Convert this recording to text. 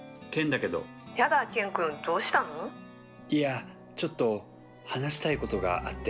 やだケン君いやちょっと話したいことがあって。